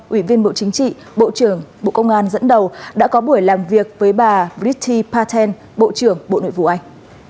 ủy viên bộ chính trị bộ trưởng bộ công an dẫn đầu đã có buổi làm việc với bà bridti pathen bộ trưởng bộ nội vụ anh